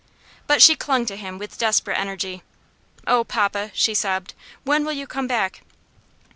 But she clung to him with desperate energy. "Oh, papa," she sobbed, "when will you come back?"